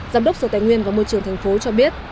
giám đốc sở tài nguyên và môi trường thành phố cho biết